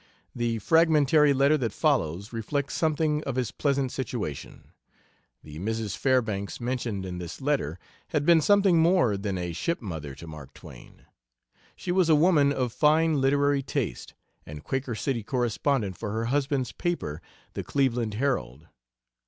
The fragmentary letter that follows reflects something of his pleasant situation. The Mrs. Fairbanks mentioned in this letter had been something more than a "shipmother" to Mark Twain. She was a woman of fine literary taste, and Quaker City correspondent for her husband's paper, the Cleveland Herald.